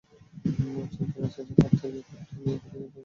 একজন তো নাসিরের হাত থেকে ব্যাটটা নিয়ে খুঁটিয়ে খুঁটিয়ে দেখতেও লাগলেন।